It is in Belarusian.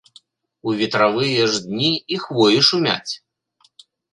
У ветравыя ж дні і хвоі шумяць.